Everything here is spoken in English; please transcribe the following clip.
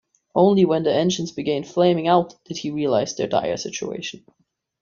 Only when the engines began flaming out did he realize their dire situation.